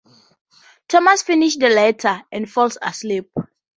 Tomas finishes the letter, and falls asleep.